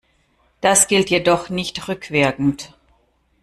Das gilt jedoch nicht rückwirkend.